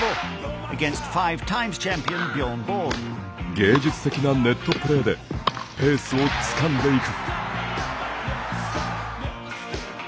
芸術的なネットプレーでペースをつかんでいく。